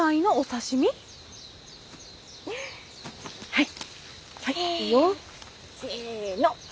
はい。